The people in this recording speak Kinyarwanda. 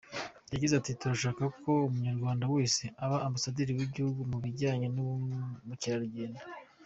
Yagize ati “Turashaka ko umunyarwanda wese aba ambasaderi w’igihugu mu bijyanye n’ubukerarugendo.